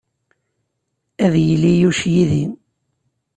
Ad yili Yuc yid-i.